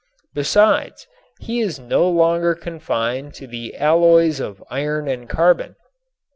Besides, he is no longer confined to the alloys of iron and carbon.